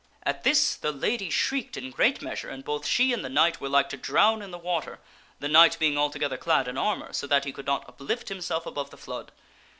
" At this the lady shrieked in great measure and both she and the knight were like to drown in the water, the knight being altogether clad in armor, so that he could not uplift himself above the flood.